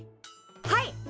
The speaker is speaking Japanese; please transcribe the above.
はい！